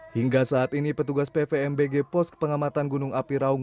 hingga saat ini petugas pvmbg pos kepengamatan gunung api raung